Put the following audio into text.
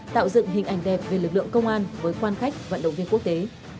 tạo dựng hình ảnh đẹp về lực lượng công an với quan khách vận động viên quốc tế